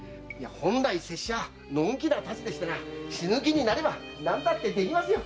本来拙者は呑気な質でしてな死ぬ気になれば何でもできますよ。